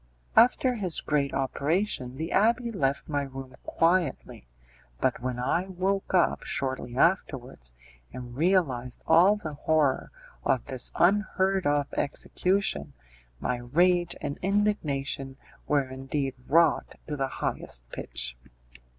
After his great operation, the abbé left my room quietly, but when I woke up shortly afterwards, and realized all the horror of this unheard of execution, my rage and indignation were indeed wrought to the highest pitch.